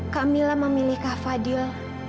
kamila memilih kak fadil